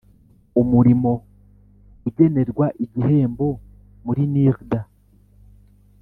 Umurimo ugenerwa igihembo muri nirda